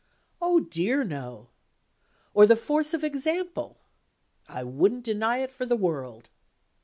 "Oh, dear, no!" "Or the force of example?" "I wouldn't deny it for the world."